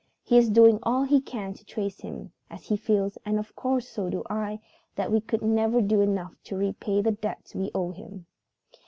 He is doing all he can to trace him, as he feels and of course so do I that we could never do enough to repay the debt we owe him.